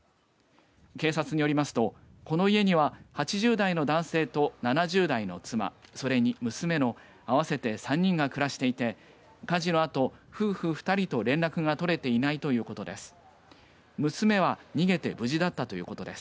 警察によりますとこの家には８０代の男性と７０代の妻それに娘の合わせて３人が暮らしていて火事のあと夫婦２人と連絡が取れていないということです。